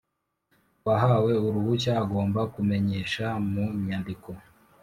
Uwahawe uruhushya agomba kumenyesha mu nyandiko